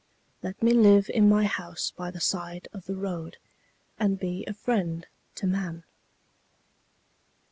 Let me live in my house by the side of the road And be a friend to man.